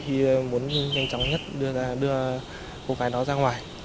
khi muốn nhanh chóng nhất đưa cô gái đó ra ngoài